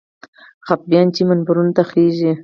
خطیبان چې منبرونو ته خېژي.